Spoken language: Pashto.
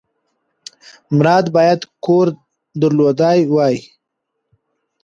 مراد باید کور درلودلی وای.